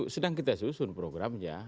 sedang kita susun programnya